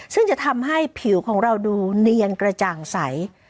ซึ่งจะทำให้ผิวของเราดูเนียนกระจ่างใส